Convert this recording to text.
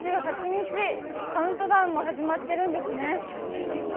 カウントダウンも始まってるんですね。